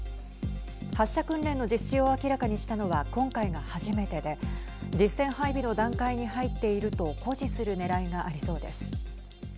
発射訓練の実施を明らかにしたのは今回が初めてで実戦配備の段階に入っていると誇示するねらいがありそうです。